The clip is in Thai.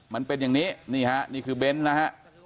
มันเป็นอย่างนี้นี่ฮะนี่คือเบนท์นะฮะ